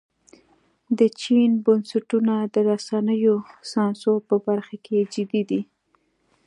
د چین بنسټونه د رسنیو سانسور په برخه کې جدي دي.